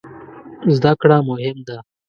زده کړه مهم ده